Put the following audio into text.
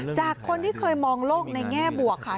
จากคนที่เคยมองโลกในแง่บวกค่ะ